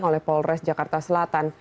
oleh polres jakarta selatan